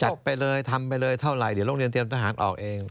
ไปเลยทำไปเลยเท่าไหร่เดี๋ยวโรงเรียนเตรียมทหารออกเอง